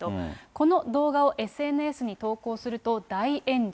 この動画をＳＮＳに投稿すると大炎上。